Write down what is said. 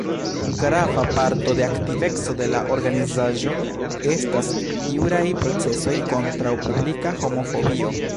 Grava parto de aktiveco de la organizaĵo estas juraj procesoj kontraŭ publika homofobio.